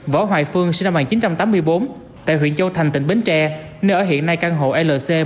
võ hoài phương sinh năm một nghìn chín trăm tám mươi bốn tại huyện châu thành tỉnh bến tre nơi ở hiện nay căn hộ lc một nghìn tám trăm một mươi ba